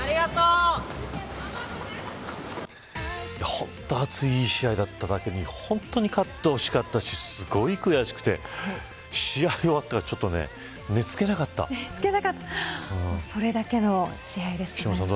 本当に熱いいい試合だっただけに勝ってほしかったですしすごい悔しくて試合終わったらそれだけの試合でしたね。